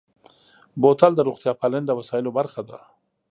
بوتل د روغتیا پالنې د وسایلو برخه ده.